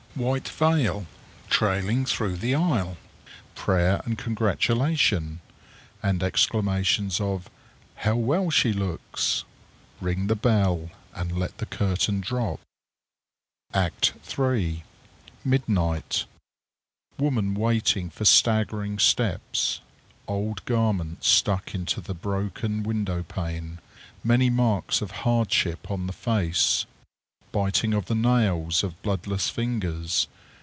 White veil trailing through the aisle. Prayer and congratulation, and exclamations of "How well she looks!" Ring the bell, and let the curtain drop_. ACT III. _Midnight. Woman waiting for staggering steps. Old garments stuck into the broken window pane. Many marks of hardship on the face. Biting of the nails of bloodless fingers.